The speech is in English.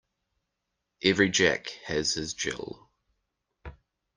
Every Jack has his Jill.